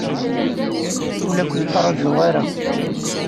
Ur la ken-ttṛajuɣ ara.